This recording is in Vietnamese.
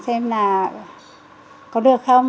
xem là có được không